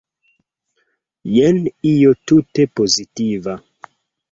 Jen io tute pozitiva.